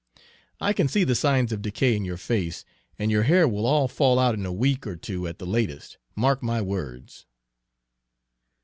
"I can see the signs of decay in your face, and your hair will all fall out in a week or two at the latest, mark my words!"